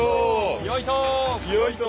よいと。